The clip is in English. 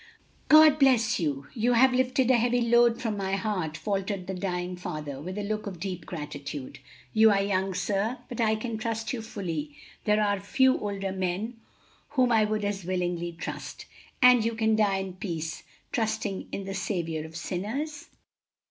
"God bless you! you have lifted a heavy load from my heart!" faltered the dying father, with a look of deep gratitude. "You are young, sir, but I can trust you fully. There are few older men whom I would as willingly trust." "And you can die in peace, trusting in the Saviour of sinners?"